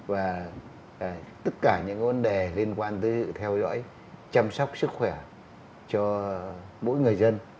và tất cả những vấn đề liên quan tới theo dõi chăm sóc sức khỏe cho mỗi người dân